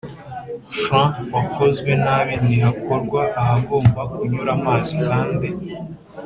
Frw wakozwe nabi ntihakorwa ahagomba kunyura amazi kandi